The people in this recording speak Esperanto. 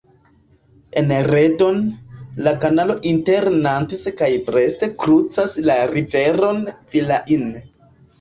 En Redon, la kanalo inter Nantes kaj Brest krucas la riveron Vilaine.